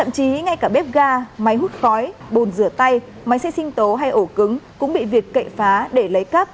ba máy hút khói bồn rửa tay máy xe sinh tố hay ổ cứng cũng bị việt cậy phá để lấy cắp